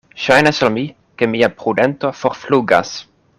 Ŝajnas al mi, ke mia prudento forflugas.